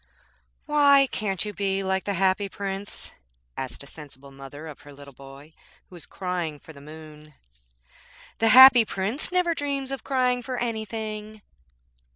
'Why can't you be like the Happy Prince?' asked a sensible mother of her little boy who was crying for the moon. 'The Happy Prince never dreams of crying for anything.'